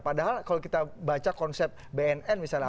padahal kalau kita baca konsep bnn misalnya